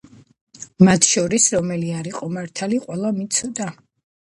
მათ შორის რომელი არ იყო მართალი, ყველამ იცოდა,